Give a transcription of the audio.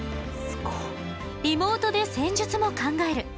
リモートで戦術も考える。